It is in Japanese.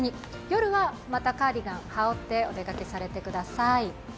夜はまたカーディガンを羽織ってお出かけしてください。